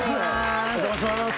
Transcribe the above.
お邪魔します